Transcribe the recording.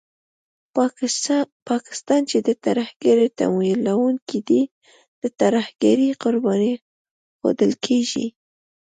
پاکستان چې د ترهګرۍ تمويلوونکی دی، د ترهګرۍ قرباني ښودل کېږي